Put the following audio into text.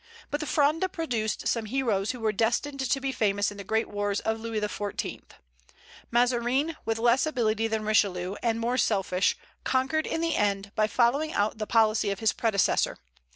But the Fronde produced some heroes who were destined to be famous in the great wars of Louis XIV. Mazarin, with less ability than Richelieu, and more selfish, conquered in the end, by following out the policy of his predecessor.